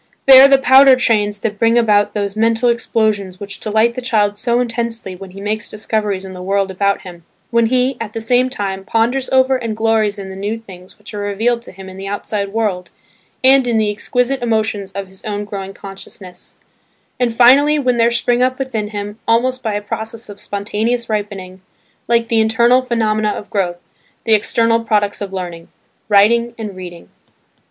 They are the powder trains that bring about those mental explosions which delight the child so intensely when he makes discoveries in the world about him, when he, at the same time, ponders over and glories in the new things which are revealed to him in the outside world, and in the exquisite emotions of his own growing consciousness; and finally when there spring up within him, almost by a process of spontaneous ripening, like the internal phenomena of growth, the external products of learning–writing and reading.